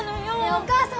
えお母さん